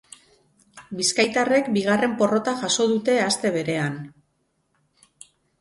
Bizkaitarrek bigarren porrota jaso dute aste berean.